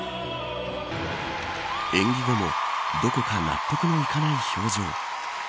演技後もどこか納得のいかない表情。